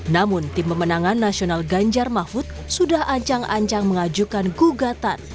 namun tim pemenangan nasional ganjar mahfud sudah ancang ancang mengajukan gugatan